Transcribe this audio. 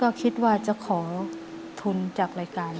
อเรนนี่คือเหตุการณ์เริ่มต้นหลอนช่วงแรกแล้วมีอะไรอีก